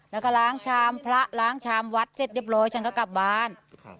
แล้วก็ล้างชามพระล้างชามวัดเสร็จเรียบร้อยฉันก็กลับบ้าน